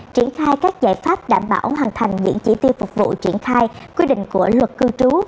triển khai các giải pháp đảm bảo hoàn thành những chỉ tiêu phục vụ triển khai quy định của luật cư trú